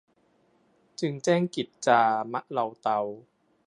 จึงแจ้งกิจจามะเลาเตา